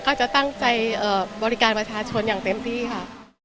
ก็จะตั้งใจบริการประชาชนอย่างเต็มที่ค่ะ